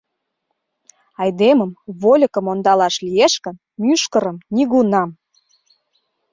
Айдемым-вольыкым ондалаш лиеш гын, мӱшкырым — нигунам...